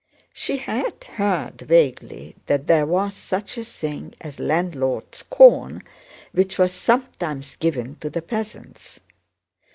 She had heard vaguely that there was such a thing as "landlord's corn" which was sometimes given to the peasants.